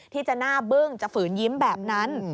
ที่จะหน้าบึ้งจะฝืนยิ้มแบบนั้น